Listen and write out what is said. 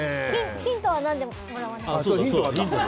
ヒントは何でもらわないの？